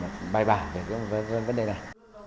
thứ ba là phải tạo về bài bản